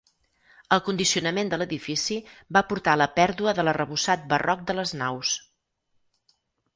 El condicionament de l'edifici va portar a la pèrdua de l'arrebossat barroc de les naus.